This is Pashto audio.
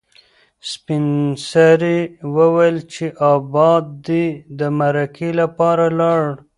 سپین سرې وویل چې ابا دې د مرکې لپاره لاړ.